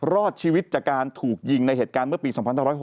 รอดชีวิตจากการถูกยิงในเหตุการณ์เมื่อปี๒๕๖๖